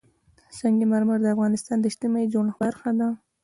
سنگ مرمر د افغانستان د اجتماعي جوړښت برخه ده.